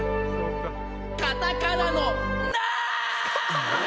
カタカナの「ナ」！